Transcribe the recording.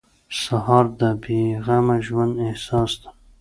سهار د بې غمه ژوند احساس دی.